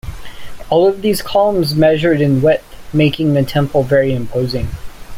All of these columns measured in width, making the temple very imposing.